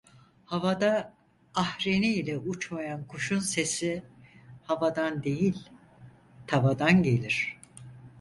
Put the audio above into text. Havada ahreni ile uçmayan kuşun sesi havadan değil, tavadan gelir.